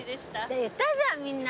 言ったじゃんみんな。